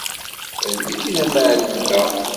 D nekk i d amɛellem da.